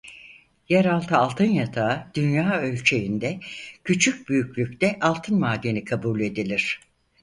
Yeraltı altın yatağı dünya ölçeğinde küçük büyüklükte altın madeni kabul edilir.